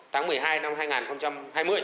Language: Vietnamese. tháng một mươi hai năm hai nghìn hai mươi